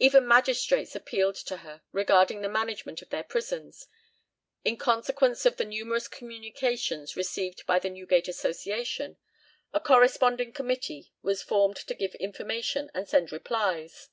Even magistrates appealed to her regarding the management of their prisons. In consequence of the numerous communications received by the Newgate Association, a "corresponding committee" was formed to give information and send replies.